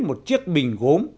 một chiếc bình gốm